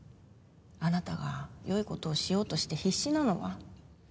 あなたがよいことをしようとして必死なのは。